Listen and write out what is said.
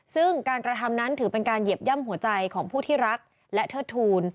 ซึ่งการกระทำนั้นถือเป็นการเหยียบย่ำหัวใจของผู้ที่รักและเทิดทูล